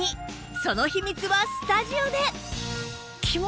その秘密はスタジオで！